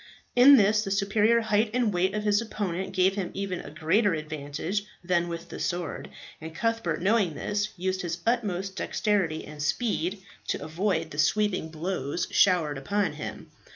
In this the superior height and weight of his opponent gave him even a greater advantage than with the sword, and Cuthbert knowing this, used his utmost dexterity and speed to avoid the sweeping blows showered upon him.